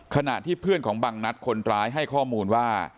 ขณะที่เพื่อนของบังนัดคนร้ายให้ข้อมูลว่า